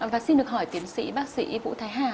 và xin được hỏi tiến sĩ bác sĩ vũ thái hà